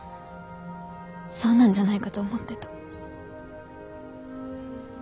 そうなんじゃないかと思ってた。